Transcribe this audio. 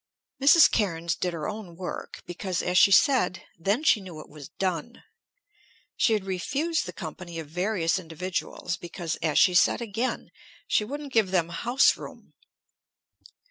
Mrs. Cairnes did her own work, because, as she said, then she knew it was done. She had refused the company of various individuals, because, as she said again, she wouldn't give them house room.